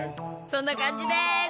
そんな感じです。